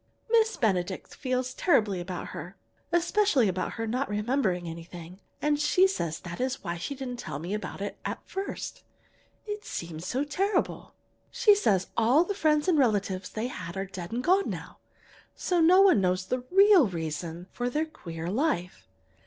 Miss Benedict feels terribly about her, especially about her not remembering anything, and she says that is why she didn't tell me about her at first. It seemed so terrible. "She says all the friends and relatives they had are dead and gone now, so no one knows the real reason for their queer life.